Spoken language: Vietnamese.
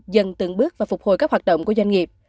dần từng bước và phục hồi các hoạt động của doanh nghiệp